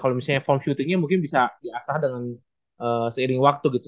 kalau misalnya form syutingnya mungkin bisa diasah dengan seiring waktu gitu